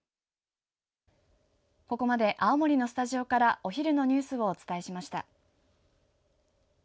ここまで青森のスタジオからお昼のニュースをお伝えしました。